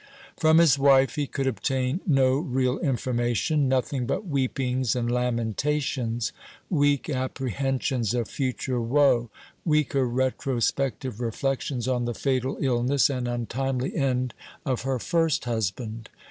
From his wife he could obtain no real information nothing but weepings and lamentations; weak apprehensions of future woe, weaker retrospective reflections on the fatal illness and untimely end of her first husband.